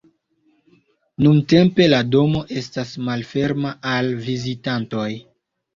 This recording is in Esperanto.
Nuntempe, la domo estas malferma al vizitantoj.